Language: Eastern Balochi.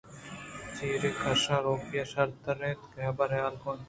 چَرے کشّاں رُوپی ءَ شرتر اِنت کہ حبر ءُ حالے کنیں